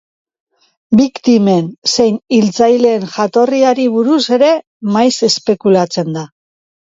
Biktimen zein hiltzaileen jatorriari buruz ere maiz espekulatzen da.